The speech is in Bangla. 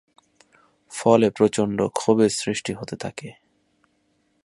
ফলে প্রচণ্ড ক্ষোভের সৃষ্টি হতে থাকে।